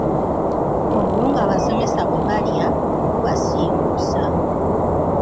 Obuwunga abasomesa bwe balya bubasiiwuusa.